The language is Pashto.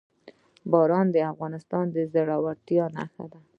باران د افغانستان د زرغونتیا نښه ده.